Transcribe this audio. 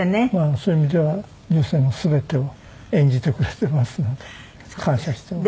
そういう意味では人生の全てを演じてくれていますので感謝しています。